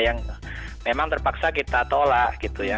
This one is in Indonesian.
yang memang terpaksa kita tolak gitu ya